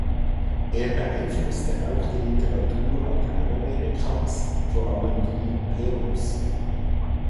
Er beeinflusste auch die Literatur Lateinamerikas, vor allem die Perus.